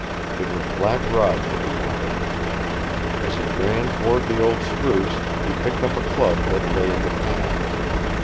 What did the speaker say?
It was Black Roger he wanted. As he ran toward the old spruce, he picked up a club that lay in the path.